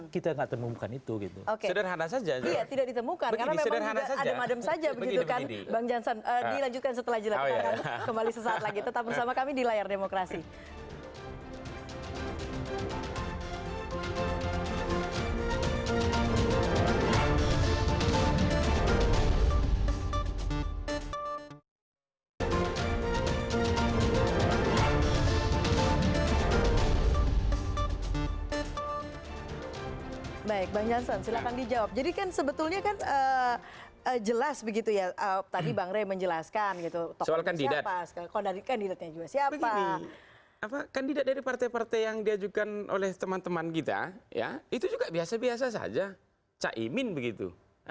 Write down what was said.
kita tidak temukan itu